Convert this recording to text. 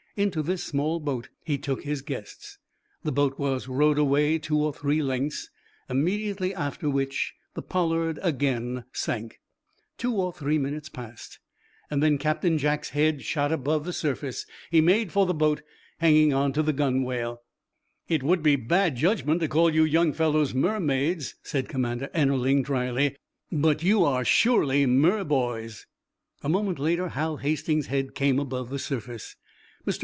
Into this small boat he took his guests. The boat was rowed away two or three lengths, immediately after which the "Pollard" again sank. Two or three minutes passed. Then Captain Jack's head shot above the surface. He made for the boat, hanging onto the gunwale. "It would be bad judgment to call you young fellows mermaids," said Commander Ennerling, dryly, "but you are surely merboys." A moment later Hal Hastings's head came above the surface. "Mr.